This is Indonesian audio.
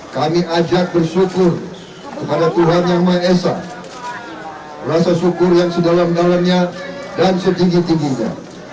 kami ajak bersyukur kepada tuhan yang maha esa rasa syukur yang sedalam dalamnya dan setinggi tingginya